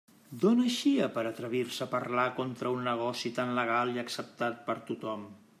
D'on eixia per a atrevir-se a parlar contra un negoci tan legal i acceptat per tothom?